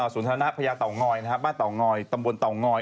สุธารณะพระยาทร์เตา้ง้อยบ้านเตา้ง้อยตำบลเตา้ง้อย